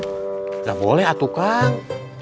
tidak boleh atuh kak